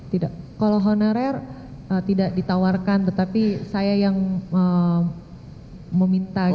tidak kalau honorer tidak ditawarkan tetapi saya yang meminta gitu minta tolong ya